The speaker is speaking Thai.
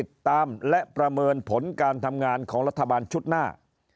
ติดตามและประเมินผลการทำงานของรัฐบาลชุดหน้า